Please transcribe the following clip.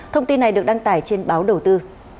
thông tin này được đăng tải trên báo đầu tư